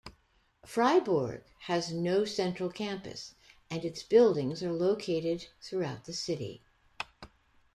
Fribourg has no central campus and its buildings are located throughout the city.